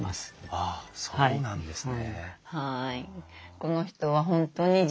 ああそうなんですね。